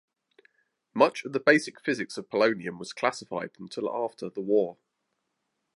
Much of the basic physics of polonium was classified until after the war.